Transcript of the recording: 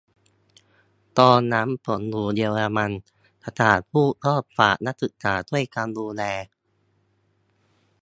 : ตอนนั้นผมอยู่เยอรมนี สถานทูตก็ฝากนักศึกษาช่วยกันดูแล